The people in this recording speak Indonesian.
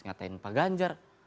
ngatain pak ganjar